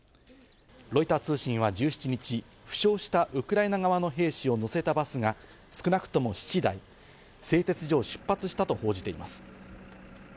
ロイター通信は１７日、負傷したウクライナ側の兵士を乗せたバスが少なくとも７台、製鉄所を出発したと報じています。